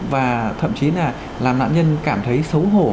và thậm chí là làm nạn nhân cảm thấy xấu hổ